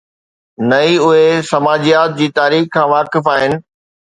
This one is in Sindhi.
نه ئي اهي سماجيات جي تاريخ کان واقف آهن.